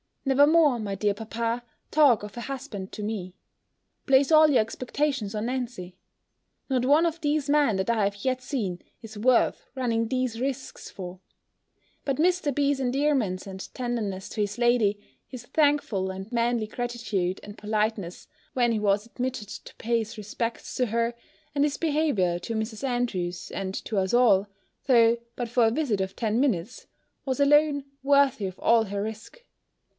Never more, my dear papa, talk of a husband to me. Place all your expectations on Nancy! Not one of these men that I have yet seen, is worth running these risques for! But Mr. B.'s endearments and tenderness to his lady, his thankful and manly gratitude and politeness, when he was admitted to pay his respects to her, and his behaviour to Mrs. Andrews, and to us all, though but for a visit of ten minutes, was alone worthy of all her risque.